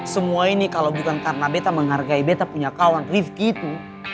semua ini kalau bukan karena beta menghargai beta punya kawan rifki itu